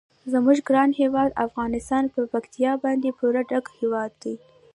زموږ ګران هیواد افغانستان په پکتیکا باندې پوره ډک هیواد دی.